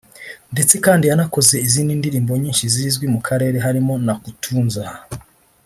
ndetse kandi yanakoze izindi ndirimbo nyinshi zizwi mu karere harimo Nakutunza